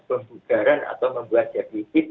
pembugaran atau membuat deficit